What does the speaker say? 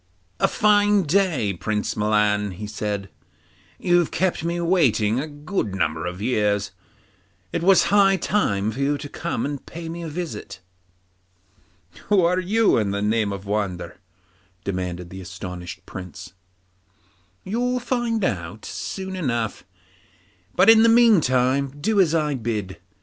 'A fine day, Prince Milan,' he said; 'you've kept me waiting a good number of years; it was high time for you to come and pay me a visit.' 'Who are you, in the name of wonder?' demanded the astonished Prince. 'You'll find out soon enough, but in the meantime do as I bid you.